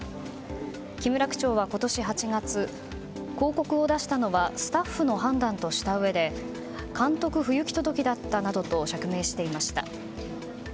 木村区長は、今年８月広告を出したのはスタッフの判断としたうえで監督不行き届きだったなどと釈明していました。